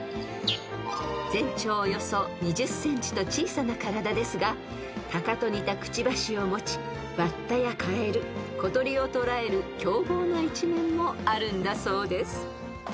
［全長およそ２０ｃｍと小さな体ですがタカと似たくちばしを持ちバッタやカエル小鳥をとらえる凶暴な一面もあるんだそうです］